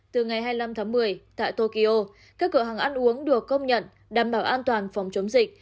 từ ngày hai mươi năm tháng một mươi tại tokyo các cửa hàng ăn uống được công nhận đảm bảo an toàn phòng chống dịch